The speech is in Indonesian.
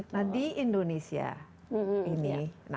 nah di indonesia ini